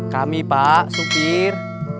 kami pak supir